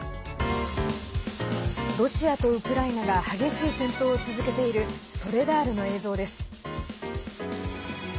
ロシアとウクライナが激しい戦闘を続けているソレダールの映像です。